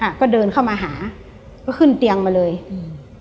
ค่ะก็เดินเข้ามาหาก็ขึ้นเตียงมาเลยอืม